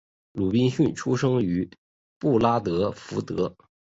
鲁宾逊出生于布拉德福德。